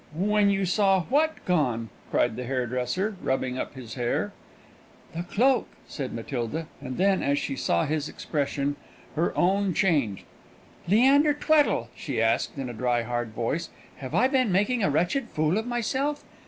"When you saw what gone?" cried the hairdresser, rubbing up his hair. "The cloak," said Matilda; and then, as she saw his expression, her own changed. "Leander Tweddle," she asked, in a dry hard voice, "have I been making a wretched fool of myself?